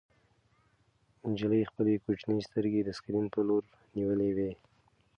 نجلۍ خپلې کوچنۍ سترګې د سکرین په لور نیولې وې.